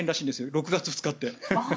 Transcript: ６月２日って。